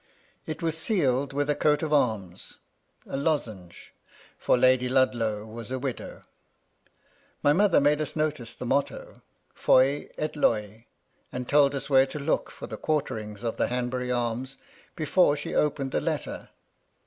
It was sealed with a coat of arms, — a lozenge, — for Lady Ludlow was a widow. My mother made us notice the motto, " Foy et Loy," and told us where to look for the quarterings of the Hanbury arms before she opened the letter.